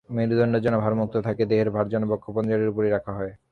মেরুদণ্ড যেন ভারমুক্ত থাকে, দেহের ভার যেন বক্ষ-পঞ্জরের উপর রাখা হয়।